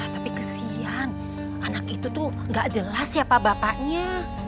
tapi kesian anak itu tuh gak jelas siapa bapaknya